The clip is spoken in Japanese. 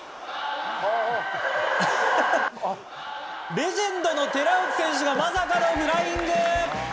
レジェンドの寺内選手がまさかのフライング。